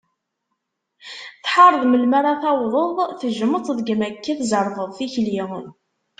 Tḥareḍ melmi ara tawḍeḍ, tejjmeḍ-tt degmi akka tzerbeḍ tikli.